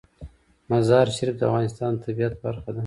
مزارشریف د افغانستان د طبیعت برخه ده.